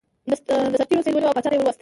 سرتیرو سید ونیو او پاچا ته یې ور وست.